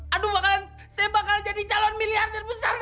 aduh bakalan saya bakalan jadi calon miliarder besar nih